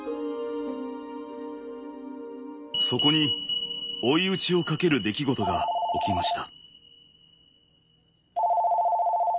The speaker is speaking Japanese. そこに追い打ちをかける出来事が起きました。